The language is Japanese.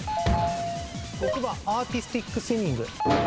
６番アーティスティックスイミング。